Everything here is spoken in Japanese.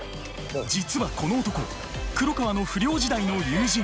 実はこの男黒川の不良時代の友人。